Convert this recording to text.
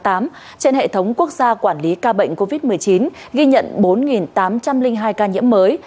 trên hệ thống quốc gia quản lý ca bệnh covid một mươi chín ghi nhận bốn tám trăm linh hai ca nhiễm mới